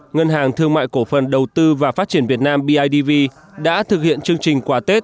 ngân hàng thương mại cổ phần đầu tư và phát triển việt nam bidv đã thực hiện chương trình quà tết